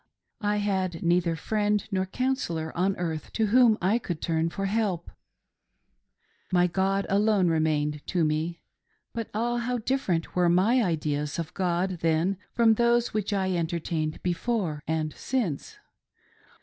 I had neither friend nor counsellor on earth to whom I could turn for help — my God alone remained to me. But, ah, how different were my ideas of God then, from those which I entertained before and since.